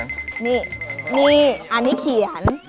นี่อันนี้เขียน